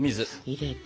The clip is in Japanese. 入れて。